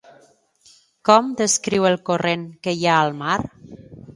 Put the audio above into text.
Com descriu el corrent que hi ha al mar?